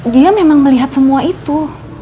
dia memang melihat semua itu